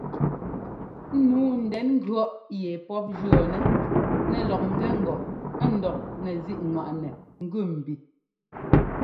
Nǔu ndɛn ŋgʉ̈ɔ́ yɛ pɔ́p jʉɔ́nɛ nɛlɔk ŋ́gɛ ŋgɔ ńdɔk nɛzíꞌŋwaꞌnɛ gʉ mbi.